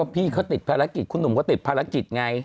พี่เขาติดภารกิจคุณหนุ่มก็ติดภารกิจไง